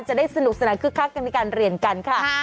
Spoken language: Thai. จะได้สนุกสนานคึกคักกันในการเรียนกันค่ะ